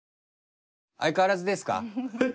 相変わらずですか？